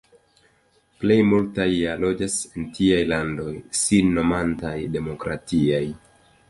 Plej multaj ja loĝas en tiaj landoj sin nomantaj demokratiaj.